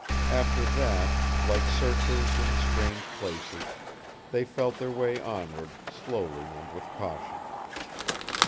After that, like searchers in strange places, they felt their way onward, slowly and with caution.